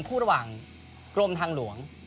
คู่ระหว่างกรมทางหลวง